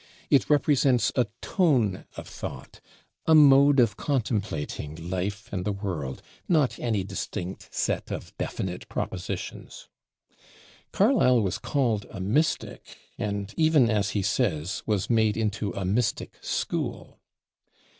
It represents a tone of thought, a mode of contemplating life and the world, not any distinct set of definite propositions. Carlyle was called a "mystic," and even, as he says, was made into a "mystic school."